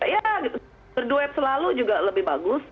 ya berduet selalu juga lebih bagus